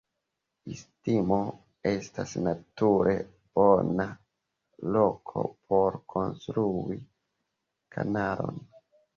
Istmo estas nature bona loko por konstrui kanalon.